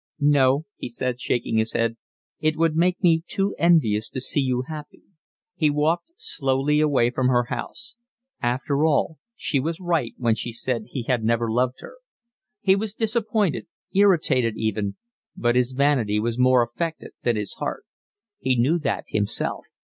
"No," he said, shaking his head. "It would make me too envious to see you happy." He walked slowly away from her house. After all she was right when she said he had never loved her. He was disappointed, irritated even, but his vanity was more affected than his heart. He knew that himself.